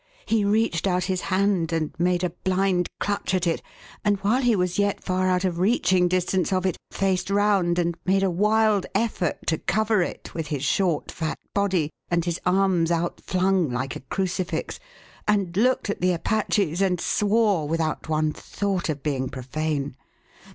He reached out his hand and made a blind clutch at it, and, while he was yet far out of reaching distance of it, faced round and made a wild effort to cover it with his short, fat body and his arms outflung, like a crucifix, and looked at the Apaches and swore without one thought of being profane.